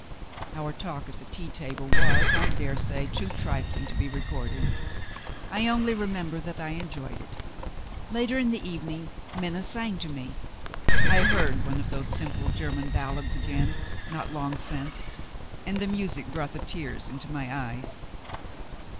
Our talk at the tea table was, I dare say, too trifling to be recorded. I only remember that I enjoyed it. Later in the evening, Minna sang to me. I heard one of those simple German ballads again, not long since, and the music brought the tears into my eyes.